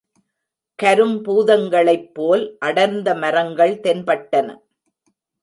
கரும்பூதங்களைப்போல் அடர்ந்த மரங்கள் தென்பட்டன.